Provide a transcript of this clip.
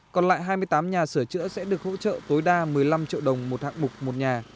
còn lại hai mươi tám nhà sửa chữa sẽ được hỗ trợ tối đa một mươi năm triệu đồng một hạng mục một nhà